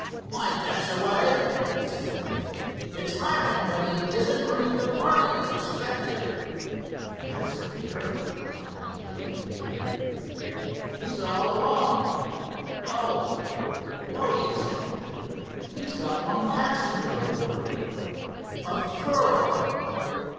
"Why Dashaway," he exclaimed, "it's Hiram, but he isn't bringing the party you expected." "That's queer," commented the young aviator. "He's all alone—oh, no, he isn't. He's got one passenger aboard—a girl."